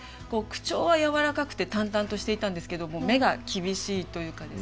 口調は柔らかくて淡々としていたんですけども目が厳しいというか。